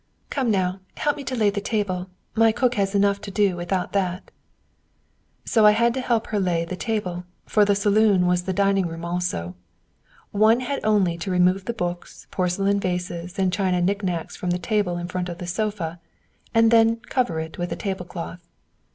"Come now, help me to lay the table! My cook has enough to do without that." So I had to help her lay the table, for the saloon was the dining room also. One had only to remove the books, porcelain vases, and china knick knacks from the table in front of the sofa, and then cover it with the table cloth.